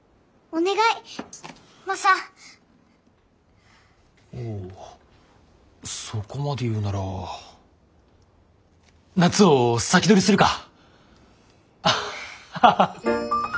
おおそこまで言うなら夏を先取りするか！